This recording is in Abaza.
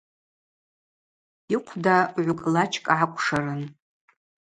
Йыхъвда гӏвкъвлачкӏ гӏакӏвшарын.